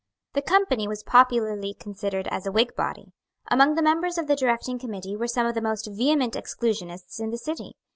The Company was popularly considered as a Whig body. Among the members of the directing committee were some of the most vehement Exclusionists in the City.